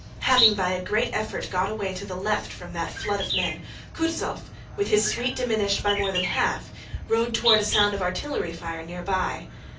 Having by a great effort got away to the left from that flood of men, Kutúzov, with his suite diminished by more than half, rode toward a sound of artillery fire near by.